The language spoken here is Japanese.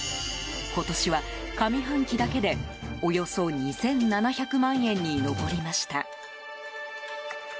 今年は上半期だけでおよそ２７００万円に上りました。